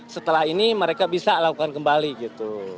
setelah ini mereka bisa lakukan kembali gitu